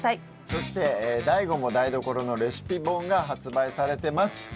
そして『ＤＡＩＧＯも台所』のレシピ本が発売されてます。